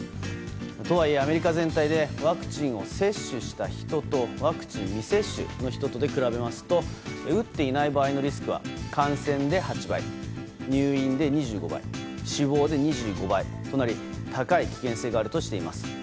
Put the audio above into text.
とはいえアメリカ全体でワクチンを接種した人とワクチン未接種の人とで比べますと打っていない場合のリスクは感染で８割入院で２５倍死亡で２５倍となり高い危険性があるとしています。